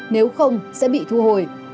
nếu không sẽ bị thu hồi